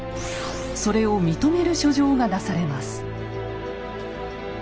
それを認める書状が出されます。